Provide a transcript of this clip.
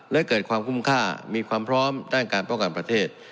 และเกิดความคุ้มค่ามีความพร้อมด้านการป้องกันประเทศ